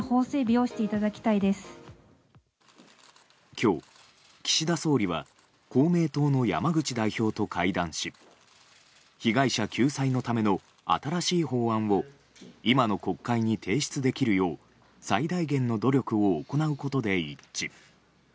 今日、岸田総理は公明党の山口代表と会談し被害者救済のための新しい法案を今の国会に提出できるよう最大限の努力を行うことで一致。